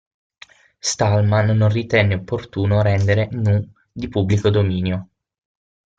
Stallman non ritenne opportuno rendere GNU di pubblico dominio.